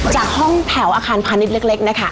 จากห้องแถวอาคารพาณิชย์เล็กนะคะ